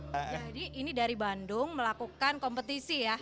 jadi ini dari bandung melakukan kompetisi ya